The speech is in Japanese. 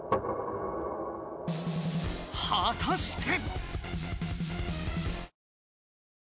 ［果たして］